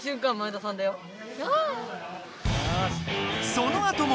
そのあとも。